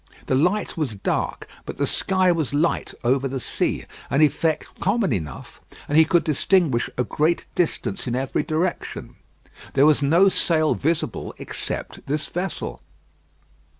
The night was dark, but the sky was light over the sea, an effect common enough; and he could distinguish a great distance in every direction. There was no sail visible except this vessel.